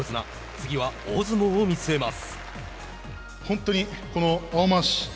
次は、大相撲を見据えます。